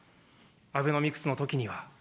アベノミクスのときには。